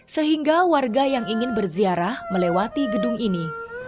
sehingga warga yang ingin berziarah melewati gedung ini